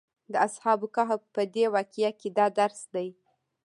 د اصحاب کهف په دې واقعه کې دا درس دی.